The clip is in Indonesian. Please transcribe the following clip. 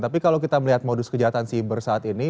tapi kalau kita melihat modus kejahatan siber saat ini